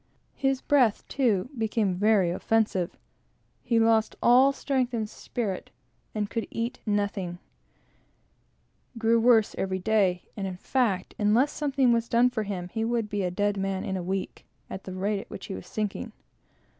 His breath, too, became very offensive; he lost all strength and spirit; could eat nothing; grew worse every day; and, in fact, unless something was done for him, would be a dead man in a week, at the rate at which he was sinking.